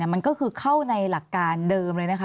มันก็คือเข้าในหลักการเดิมเลยนะคะ